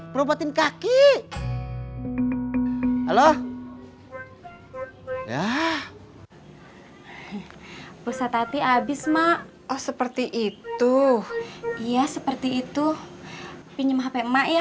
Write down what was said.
berobatin kaki halo ya pusat hati habis mak oh seperti itu iya seperti itu pinjem hp emak ya